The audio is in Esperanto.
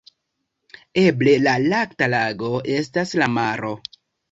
Eble la "Lakta Lago" estas la maro.